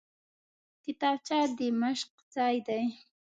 کتابچه د مشق ځای دی